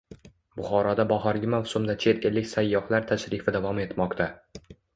Buxoroda bahorgi mavsumda chet ellik sayyohlar tashrifi davom etmoqda